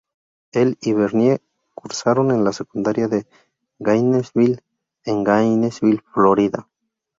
Él y Bernie cursaron en la secundaria de Gainesville en Gainesville, Florida.